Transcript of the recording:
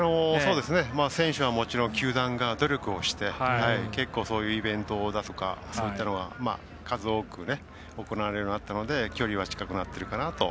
選手はもちろん球団が努力をして結構、そういうイベントだとかそういったのは数多く行われるようになったので距離は近くなっているかなと。